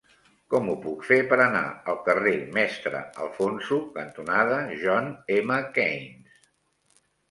Com ho puc fer per anar al carrer Mestre Alfonso cantonada John M. Keynes?